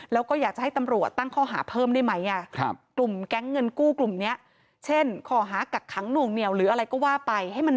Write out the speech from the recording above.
แล้วก็อยากจะให้ตำรวจตั้งข้อหาเพิ่มได้ไหม